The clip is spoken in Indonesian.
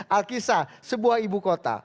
alkisa sebuah ibu kota